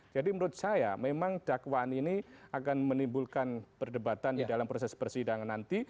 jadi menurut saya memang dakwaan ini akan menimbulkan perdebatan di dalam proses persidangan nanti